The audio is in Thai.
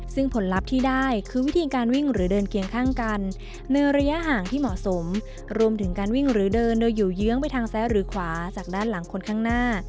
ซึ่งผลลัพธ์ที่ได้คือวิธีการวิ่งหรือเดินเคียงข้างกันในระยะห่างที่เหมาะสมรวมถึงการวิ่งหรือเดินโดยอยู่เยื้องไปทางซ้ายหรือขวาจากด้านหลังคนข้างหน้า